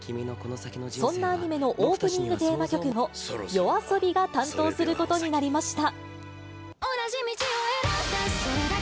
そんなアニメのオープニングテーマ曲を、ＹＯＡＳＯＢＩが担当することになりました。